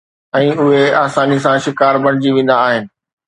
۽ اهي آساني سان شڪار بڻجي ويندا آهن.